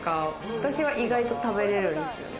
私は意外と食べれるんですよね。